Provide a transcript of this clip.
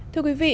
thưa quý vị